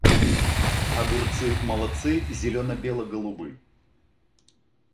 Огурцы — молодцы зеленобелогубы.